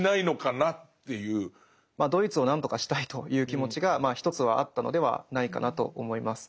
まあドイツを何とかしたいという気持ちがまあ一つはあったのではないかなと思います。